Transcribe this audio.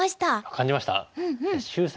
感じました？